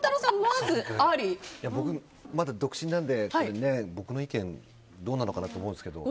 僕はまだ独身なので僕の意見はどうなのかなと思いますが。